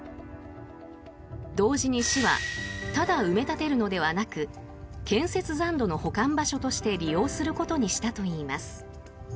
同時に市はただ埋め立てるのではなく建設残土の保管場所として利用することにしたといいます。